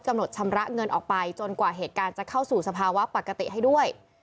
ชำระเงินออกไปจนกว่าเหตุการณ์จะเข้าสู่สภาวะปกติให้ด้วย